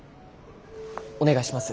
お願いします。